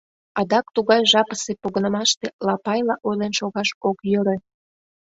Адак тугай жапысе погынымаште лапайла ойлен шогаш ок йӧрӧ.